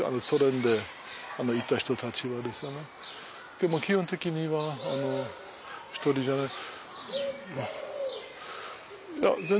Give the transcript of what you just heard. でも基本的には１人じゃない。